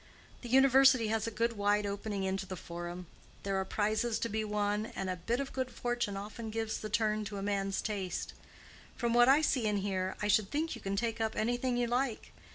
The university has a good wide opening into the forum. There are prizes to be won, and a bit of good fortune often gives the turn to a man's taste. From what I see and hear, I should think you can take up anything you like.